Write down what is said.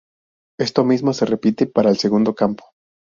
Esto mismo se repite para el segundo campo.